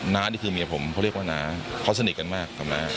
้านี่คือเมียผมเขาเรียกว่าน้าเขาสนิทกันมากกับน้า